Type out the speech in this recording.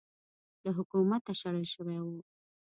له حکومته شړل شوی و